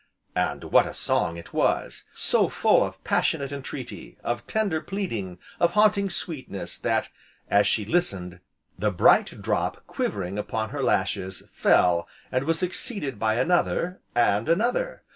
And what a song it was! so full of passionate entreaty, of tender pleading, of haunting sweetness, that, as she listened, the bright drop quivering upon her lashes, fell and was succeeded by another, and another.